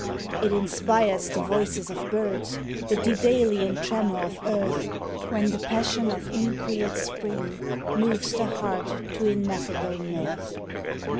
It inspires the voices of birds, The daedalian tremor of earth, When the passion of increate spring Moves the heart to ineffable mirth.